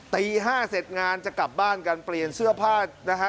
ตี๕เสร็จงานจะกลับบ้านกันเปลี่ยนเสื้อผ้านะฮะ